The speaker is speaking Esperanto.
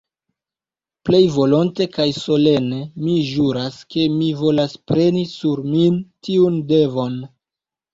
Plej volonte kaj solene mi ĵuras, ke mi volas preni sur min tiun devon.